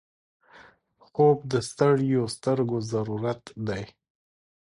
خوب د ستړیو سترګو ضرورت دی